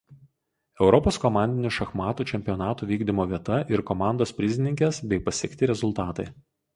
Europos komandinių šachmatų čempionatų vykdymo vieta ir komandos prizininkės bei pasiekti rezultatai.